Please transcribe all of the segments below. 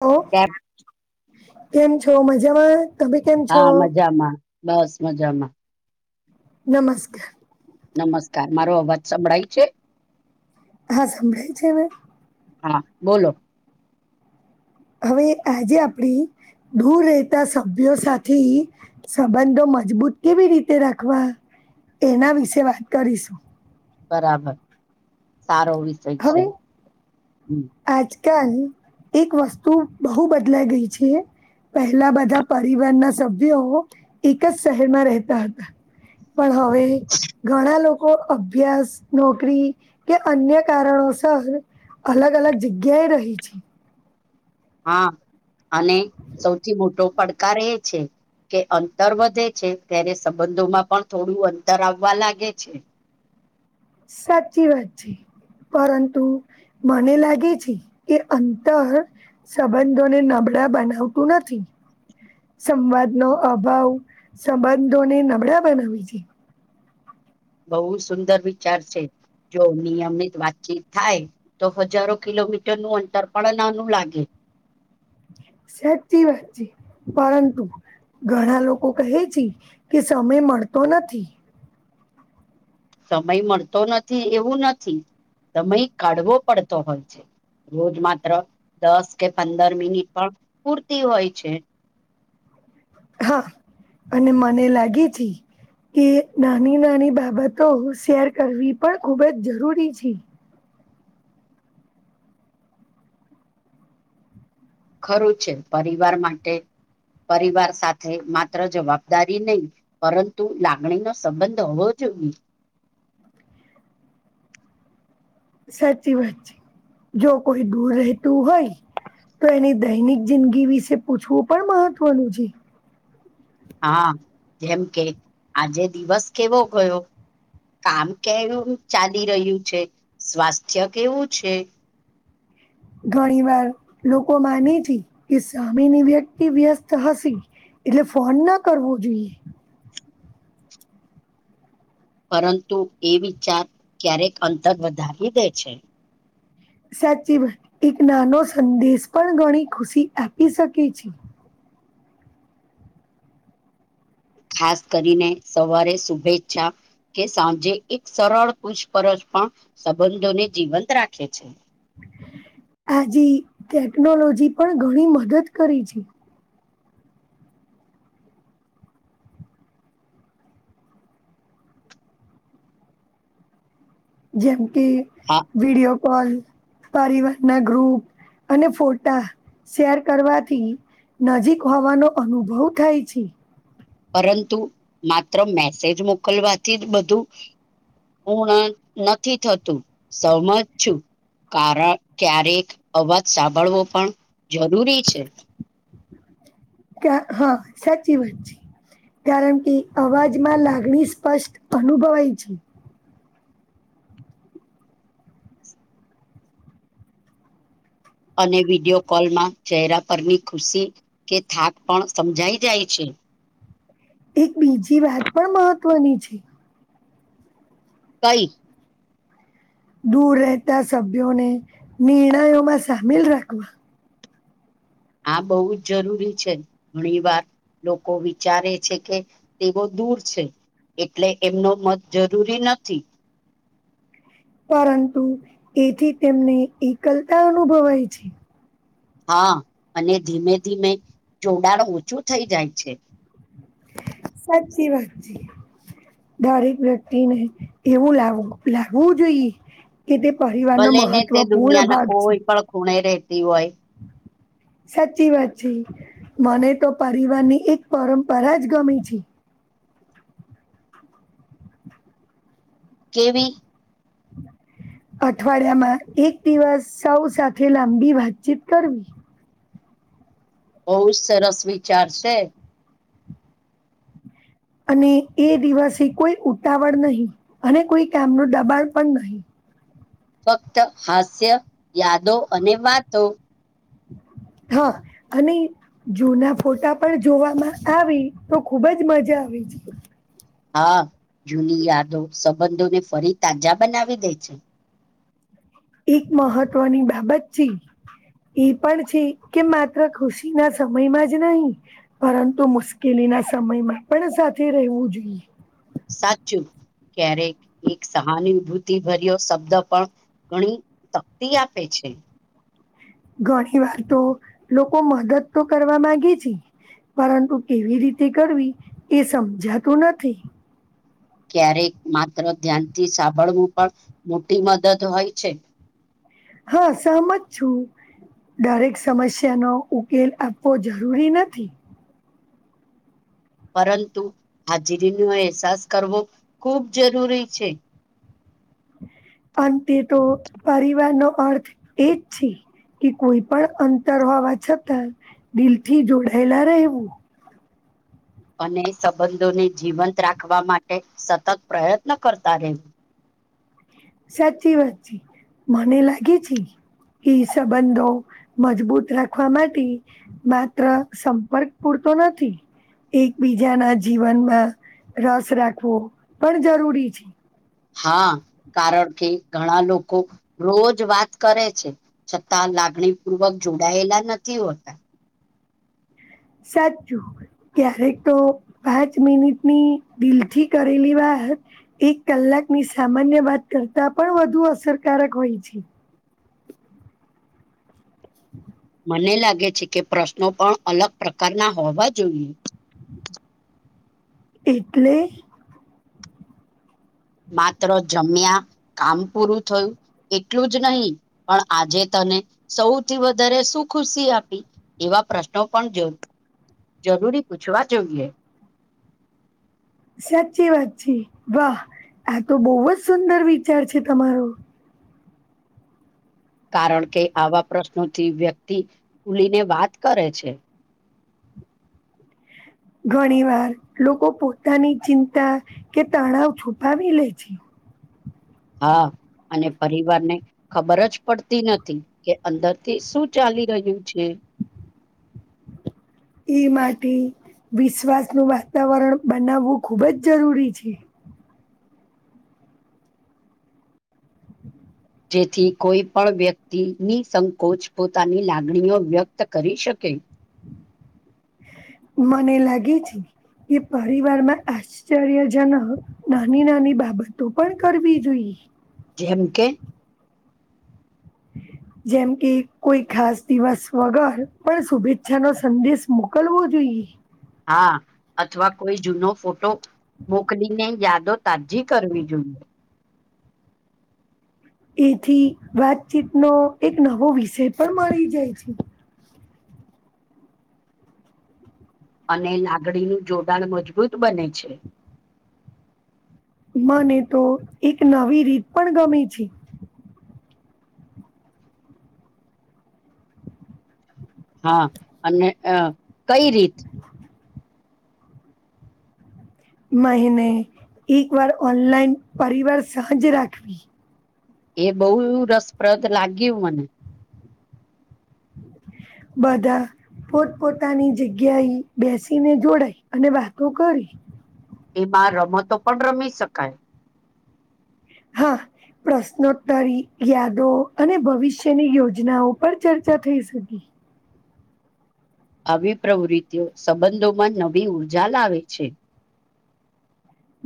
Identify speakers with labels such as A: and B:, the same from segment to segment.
A: ઓ
B: કેમ
A: કેમ છો મજામાં? તમે કેમ છો
B: હા મજામાં બસ મજામાં.
A: નમસ્કાર.
B: નમસ્કાર મારો અવાજ સંભળાય છે.
A: હા સંભળાય છે ને.
B: હા બોલો.
A: હવે આજે આપડે દૂર રહેતા સભ્યો સાથી સંબંધો મજબૂત કેવી રીતે રાખવા, એના વિશે વાત કરીશું.
B: બરાબર સારો વિષય છે.
A: હવે
B: હમ.
A: આજકાલ એક વસ્તુ બહુ બદલાઈ ગઈ છે પહેલા બધા પરિવારના સભ્યો એક જ શહેરમાં રહેતા પણ હવે ઘણા લો કો અભ્યાસ, નોકરી કે અન્ય કારણોસર અલગ અલગ-અલગ જગ્યા એ રહી છે.
B: હા અને સૌથી મોટો પડકાર એ છે કે અંતર વધે છે, ત્યારે સંબંધોમાં પણ થોડું અંતર આવા લાગે છે.
A: સાચી વાત છે. પરંતુ મને લાગે છે કે અંતર સંબંધોને નબ ળા બનાવતું નથી. સંવાદનો અભાવ, સંબંધોને નબળા બનાવી છે.
B: બો સુંદર વિચાર છે, જો નિયમિત વાતચીત થાય તો હજારો કિલો મીટર નું અંતર પણ નાનું લાગે.
A: સાચી વાચ છે, પરંતુ ઘણા લોકો કહે છે, કે સમય મળતો નથી.
B: સમય મળતો નથી એવું નથી સમય કાઢવો પડતો હોય છે રોજ માત્ર દસ કે પંદર મિનિટ પણ પૂરતી હોય છે.
A: હા અને મને લાગી છે કે નાની-નાની બાબતો શેર કરવી પણ ખૂબ જ જરૂરી છે.
B: ખરું છે, પરિવાર માટે પરિવાર સાથે માત્ર જવાબદારી નય પરંતુ લાગણી નો સંબંધ હોવો જ જોયે.
A: સાચી વાત છે, જો કોઈ દૂર રહેતું હોય તો એની દૈનિક જિંદગી વિશે પૂછવું પણ મહત્વનું છે.
B: હા જેમ કે આજે દિવસ કેવો ગયો કામ કેવું ચાલી રહ્યું છે, સ્વાસ્થ્ય કેવું છે.
A: ઘણી વાર લોકો માની છે કે સામની વ્યક્તિ વ્યસ્ત હસી એટલે ફોન ના કરવો જોઈએ.
B: પરંતુ એ વિચાર ક્યારેક અંતર વધારી
A: સાચી વાત એક નાનો સંદેશ પણ ઘણી ખુશી આપી શકે છે.
B: ખાસ કરીને સવારે શુભેચ્છા કે સાંજે એક સરળ પૂછપરછ પણ સંબંધોને જીવંત રાખે છે.
A: આજે ટેકનોલોજી પણ ઘણી મદદ કરી છે. જેમ કે
B: હા
A: વિડીયો કોલ પરીવાર ના ગ્રુપ અને ફોટા શેર કરવાથી નજીક હોવાનો અનુભવ થાય છે.
B: પરંતુ માત્ર મેસેજ મોકલવાથી જ બધું પૂર્ણ નથી થતું સહજ છું. કારણ ક્યારેક અવાજ સાંભળવો પણ જરૂરી છે.
A: ક હ સાચી વાત છે. કારણ કે અવાજમાં લાગણી સ્પષ્ટ અનુભવાય છે.
B: અને વિડિયો કોલમાં ચહેરા પરની ખુશી કે થાક પણ સમજાઈ જાય છે. [inaudible]
A: એક બીજી વાત પણ મહત્વની છે.
B: તઈ
A: દૂર રહેતા સભ્યોને નિર્ણયોમાં સામેલ રાખવા.
B: આ બહુ જ જરૂરી છે ઘણી વાર લોકો વિચારે છે કે તેઓ દૂર છે એટલે એમનો મત જરૂરી નથી.
A: પરંતુ એથી તેમને એકલતા અનુભવાય છે.
B: હા, અને ધીમે ધીમે જોડાણ ઓછું થઈ જાય છે.
A: સાચી વાત જી. દરેક વ્યક્તિને એવું લાવું લાવવું જોઈએ કે તે પરિવારનો
B: ભલે ને તે
A: મહત્વપૂર્ણ
B: દુનિયાના
A: ભાગ છે. [unintelligible]
B: કોઈ પણ ખૂણે રહેતી હોય.
A: સાચી વાત છે મને તો પરિવાર ની એક પરંપરા જ ગમે છે.
B: કેવી
A: અઠવાડિયામાં એક દિવસ સૌ સાથે લાંબી વાતચીત કરવી.
B: બહુ જ સરસ વિચાર છે.
A: અને એ દિવસે કોઈ ઉતાવળ નહીં અને કોઈ કામનું દબાણ પણ નહીં.
B: ફક્ત હાસ્ય, યાદો અને વાતો.
A: હા અને જૂના ફોટા પણ જોવામાં આવી તો ખુબ જ મજા [inaudible]
B: હા જૂની યાદો સંબંધોને ફરી તાજા બનાવી દે છે.
A: એક મહત્વની બાબત છે. એ પણ છે કે માત્ર ખુશી ના સમયમાં જ નહીં પરંતુ મુશ્કેલી એ ના સમયમાં પણ સાથે રહેવું જોઈએ.
B: સાચું. ક્યારેક એક સહાનુભૂતિ ભર્યો શબ્દ પણ ઘણી શક્તિ આપે છે. છે.
A: ઘણી વાર તો લોકો મદદ તો કરવા માંગે છે. પરંતુ કેવી રીતે કરવી એ સમજાતું નથી.
B: ક્યારેક માત્ર ધ્યાનથી સાંભળવું પણ મોટી મદદ હોય છે.
A: હા સહમત છું. દરેક સમસ્યાનો ઉકેલ આપવો જરૂરી નથી.
B: પરંતુ હાજરીનો અહેસાસ કરવો ખૂબ જરૂરી છે.
A: અંતે તો પરિવાર નો અર્થ એજ છે કે કોઈ પણ અંતર હોવા છતાં દિલથી જોડાયેલા રહેવું.
B: અને સંબંધોને જીવંત રાખવા માટે સતત પ્રયત્ન કરતા રહ્યું.
A: સાચી વાત છે મને લાગે છે. સંબંધો મજબૂત રાખવા માટે માત્ર સંપર્ક પૂરતા તો નથી એકબીજાના જીવનમાં રસ રાખવો પણ જરૂરી છે.
B: હા કારણ કે ઘણા લોકો રોજ વાત કરે છે છતાં લાગ લાગણી પૂર્વક જોડાયેલા નથી હોતા.
A: સાચું ક્યારેક તો પાંચ મિનિટની દિલ થી કરેલી વાત. એક કલાકની સામાન્ય વાત કરતા પણ વધુ અસરકારક હોય છે. [inaudible]
B: મને લાગે છે કે પ્રશ્નો પણ અલગ પ્રકારના હોવા જોઈએ.
A: એટલે?
B: માત્ર જમ્યા કામ પૂરું થયું એટલું જ નહી પણ આજે તમે સૌથી વધારે શું ખુશી આપી એવા પ્રશ્નો પણ જોય. જરૂરી પૂછવા જોઈએ.
A: સાચી વાતચી વાહ. આ તો બહુ જ સુંદર વિચાર છે તમારો.
B: કારણ કે આવા પ્રશ્નોથી વ્યક્તિ ભૂલીને વાત કરે છે.
A: ઘણી વાર લોકો પોતાની ચિંતા કે તણાવ છુપાવી લે છે.
B: હા. અને પરિવાર ને ખબર જ પડતી નથી કે અંદરથી શું ચાલી રહ્યું છે.
A: એઈ માટે વિશ્વાસનું વાતાવરણ બનાવવું ખૂબ જ જરૂરી છે.
B: જેથી કોઈ પણ વ્યક્તિની સંકોચ પોતાની લાગણીઓ વ્યક્ત કરી શક કે.
A: મને લાગે છે એ પરિવારમાં આશ્ચર્યજનક નાની નાની બાબતો પણ કરવી જોઈએ.
B: જેમ કે?
A: [inaudible] જેમ કે કોઈ ખાસ દિવસ વગર પણ શુભેચ્છા નો સંદેશ મોકલવો જોઈએ.
B: હા અથવા કોઈ જૂનો ફોટો મોકલીને યાદો તાજી કરવી જોઈએ.
A: એથી વાતચીતનો એક નવો વિષય પણ મળી જાય છે.
B: અને લાગણીનું જોડાણ મજબૂત બને છે.
A: મને તો એક નવી રીત પણ ગમે છે
B: હા અને અ કઈ રીત?
A: મહિને એક વાર ઓનલાઈન પરિવાર સાંજ રાખવી.
B: એ બહુ રસપ્રદ લાગ્યું મને.
A: બધા પોત પોતાની જગ્યાએ બેસીને જોડાય અને વાતો કરી
B: એમાં રમતો પણ રમી શકાય.
A: હા. પ્રશ્નોત્તરી યાદો અને ભવિષ્યની યોજનાઓ પર ચર્ચા થઈ શકી.
B: આવી પ્રવૃત્તિઓ સંબંધોમાં નવી ઊર્જા લાવે છે.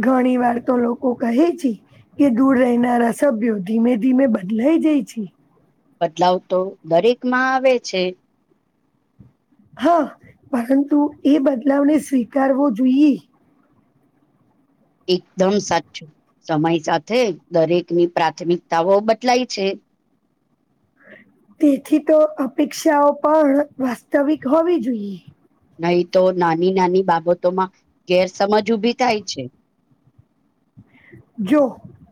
A: ઘણી વાર તો લોકો કહે છે. કે દૂર રહેનારા સભ્યો ધીમે ધીમે બદલાય જાય છે.
B: બદલાવ તો દરેક માં આવે છે.
A: હા પરંતુ એ બદલાવને સ્વીકારવો જોઈએ.
B: એકદમ સાચું સમય સાથે દરેકની પ્રાથમિકતાઓ બદલાય છે.
A: તેથી તો અપેક્ષાઓ પણ વાસ્તવિક હોવી જોઈએ.
B: નહી તો નાની નાની બાબતો માં ગેરસમજ ઉભી થાય છે.
A: [inaudible] જો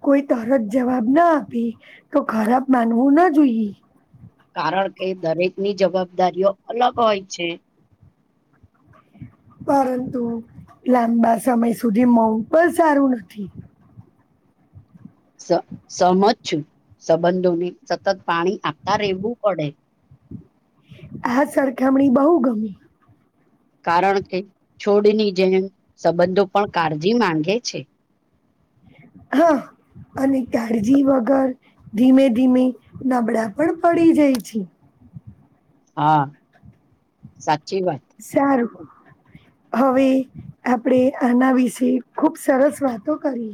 A: કોઈ તરત જવાબ ના આપે તો ખરાબ માનવું ન જોઈએ.
B: કારણ કે દરેકની જવાબદારીઓ અલગ હોય છે.
A: [inaudible] પરંતુ લાંબા સમય સુધી મોવ પણ સારું નથી.
B: સ સહમત છું સંબંધોને સતત પાણી આપતા રહેવું પડે.
A: આ સરખામણી બહુ ગમ
B: કારણ કે છોડની જેમ સંબંધો પણ કાળજી માંગે છે.
A: હા. અને કાળજી વગર ધીમે ધીમે નબળા પણ પડી જાય છે.
B: હા સા
A: સારું. હવે આપણેે આના વિશે ખુબ સરસ વાતો કરી.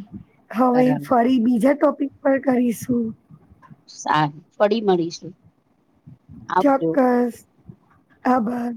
A: હવે
B: બરાબર
A: ફરી બીજા ટોપિક પર કરીશું.
B: સા પડી મળીશું. આવજો
A: ચોક્કસ આભર.